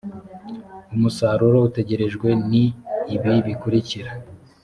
umusaruro utegerejwe ni ibi bikurikira